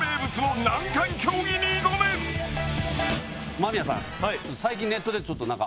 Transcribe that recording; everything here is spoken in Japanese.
間宮さん。